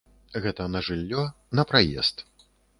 Гэта на жыллё, на праезд.